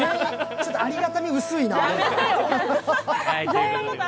ちょっとありがたみ、うすいなあ。